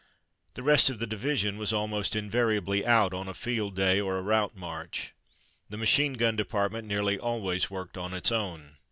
The rest of the division was almost invari ably out on a field day or a route march. The machine gun department nearly always worked on its own.